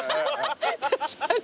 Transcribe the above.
確かに。